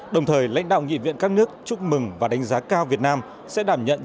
đồng thời lãnh đạo nghị viện các nước chúc mừng và đánh giá cao việt nam sẽ đảm nhận